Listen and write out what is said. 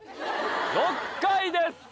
６回です！